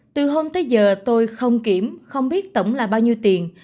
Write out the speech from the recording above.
từ hôm tới giờ tôi không kiểm không biết tổng là bao nhiêu tiền